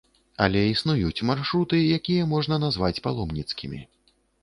Але існуюць маршруты, якія можна назваць паломніцкімі.